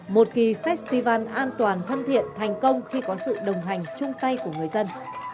một kỳ festival an toàn thân thiện thành công khi có sự đồng hành chung tay của người dân